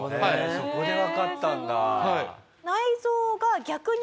そこでわかったんだ。